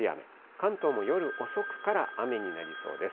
関東も夜遅くから雨になりそうです。